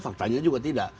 faktanya juga tidak